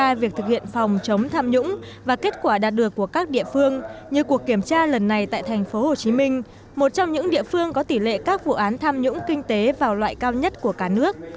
ngoài việc thực hiện phòng chống tham nhũng và kết quả đạt được của các địa phương như cuộc kiểm tra lần này tại tp hcm một trong những địa phương có tỷ lệ các vụ án tham nhũng kinh tế vào loại cao nhất của cả nước